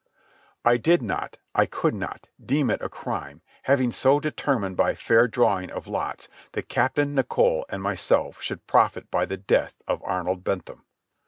I did not, I could not, deem it a crime, having so determined by fair drawing of lots, that Captain Nicholl and myself should profit by the death of Arnold Bentham.